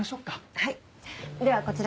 はいではこちらに。